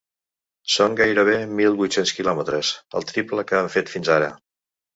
Són gairebé mil vuit-cents quilòmetres, el triple que han fet fins ara.